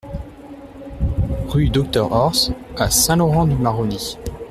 Rue Docteur Horth à Saint-Laurent-du-Maroni